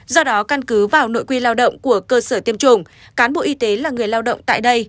do đó căn cứ vào nội quy lao động của cơ sở tiêm chủng cán bộ y tế là người lao động tại đây